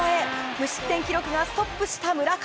無失点記録がストップした村上。